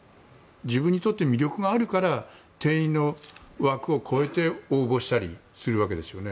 自分にとって魅力があるから定員の枠を超えて応募したりするわけですよね。